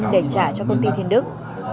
để trả cho công ty thiên đức